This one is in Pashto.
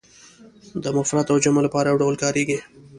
د مفرد او جمع لپاره یو ډول کاریږي.